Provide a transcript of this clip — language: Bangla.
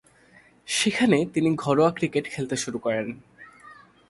সেখানে তিনি ঘরোয়া ক্রিকেট খেলতে শুরু করেন।